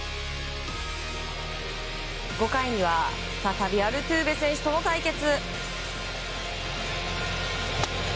５回には再びアルトゥーベ選手との対決。